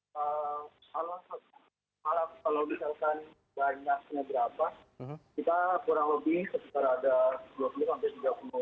kalau misalkan banyaknya berapa kita kurang lebih sekitar ada dua puluh tiga puluh hewan yang sementara ini aman